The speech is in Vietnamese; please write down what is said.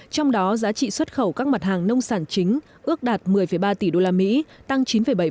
trong đó giá trị xuất khẩu các mặt hàng nông sản chính ước đạt một mươi ba tỷ usd tăng chín bảy